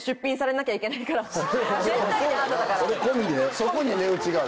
そこに値打ちがある。